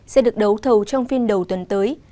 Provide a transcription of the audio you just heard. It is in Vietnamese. sẽ được đấu thầu trong phiên đầu tuần tới